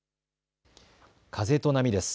風と波です。